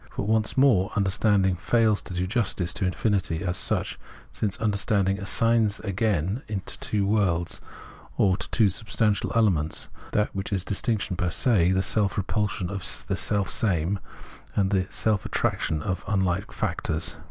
But once more understanding fails to do justice to infinity as such, since understanding assigns again to two worlds, or to two substantial elements, that which is distinc tion per se, — the self repulsion of the selfsame, and the self attraction of unhke factors.